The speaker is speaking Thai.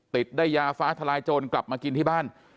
ได้ยาฟ้าทลายโจรกลับมากินที่บ้าน